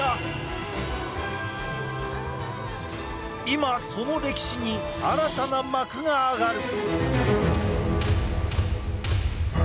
今、その歴史に新たな幕が上がる。